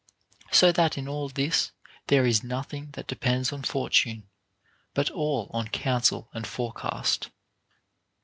So that in all this there is nothing that depends on Fortune, but all on counsel and forecast.